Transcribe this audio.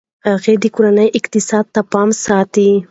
هغې د کورني اقتصاد پام ساتي.